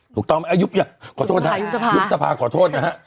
ถูกต้องไหมยุบอย่าขอโทษนะยุบสภาขอโทษนะฮะ